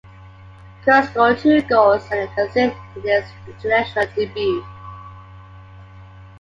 Kurri scored two goals and an assist in his international debut.